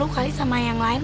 dia malu sama yang lain